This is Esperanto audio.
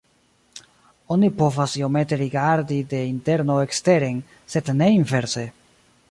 Oni povas iomete rigardi de interno eksteren sed ne inverse.